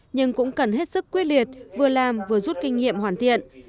nhưng cũng cần hết sức quyết liệt vừa làm vừa rút kinh nghiệm hoàn thiện